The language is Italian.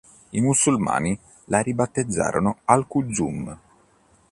I musulmani la ribattezzarono al-Qulzum.